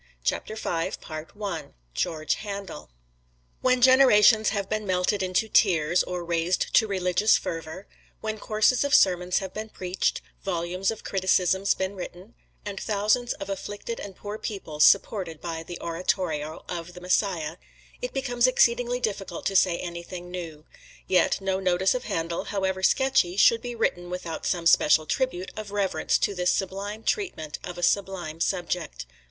[Illustration: GEORGE HANDEL] GEORGE HANDEL When generations have been melted into tears, or raised to religious fervor when courses of sermons have been preached, volumes of criticisms been written, and thousands of afflicted and poor people supported by the oratorio of "The Messiah" it becomes exceedingly difficult to say anything new. Yet no notice of Handel, however sketchy, should be written without some special tribute of reverence to this sublime treatment of a sublime subject.